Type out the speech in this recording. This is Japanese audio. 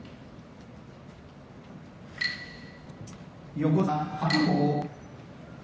横綱、白鵬露